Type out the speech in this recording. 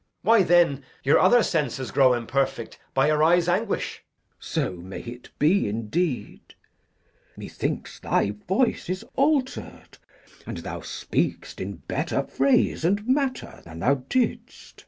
Edg. Why, then, your other senses grow imperfect By your eyes' anguish. Glou. So may it be indeed. Methinks thy voice is alter'd, and thou speak'st In better phrase and matter than thou didst.